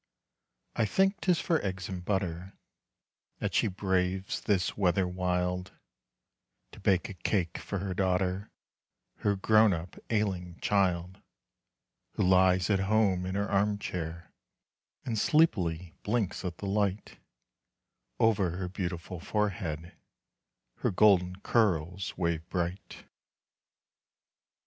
I think 'tis for eggs and butter That she braves this weather wild, To bake a cake for her daughter, Her grown up ailing child. Who lies at home in her arm chair, And sleepily blinks at the light. Over her beautiful forehead Her golden curls wave bright.